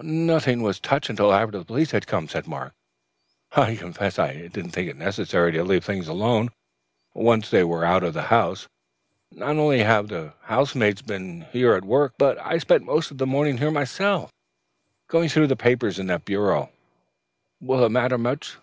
"Nothing was touched till after the police had gone," said Mark. "I confess I did not think it necessary to leave things alone once they were out of the house. Not only have the housemaids been at work in here, but I spent most of the morning here myself, going through the papers in that bureau. Will it matter much?"